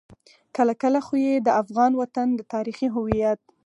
کله کله خو يې د افغان وطن د تاريخي هويت.